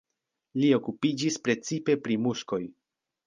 Li okupiĝis precipe pri muskoj.